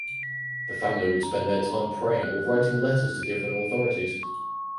The family would spend their time praying or writing letters to different authorities.